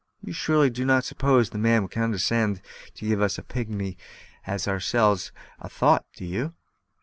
"You surely do not suppose the man will condescend to give such a pigmy as ourselves a thought, do you?"